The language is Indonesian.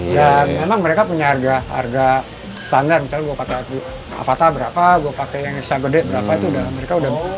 dan memang mereka punya harga harga standar misalnya gue pakai avata berapa gue pakai yang bisa gede berapa itu udah